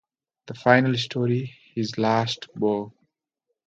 The final story, His Last Bow.